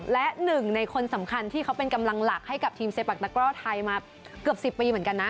และหนึ่งในคนสำคัญที่เขาเป็นกำลังหลักให้กับทีมเซปักตะกร่อไทยมาเกือบ๑๐ปีเหมือนกันนะ